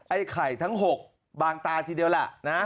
ไอ้ไข่ทั้ง๖บางตาทีเดียวล่ะนะ